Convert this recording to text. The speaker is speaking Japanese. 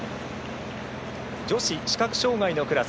女子視覚障がいのクラス。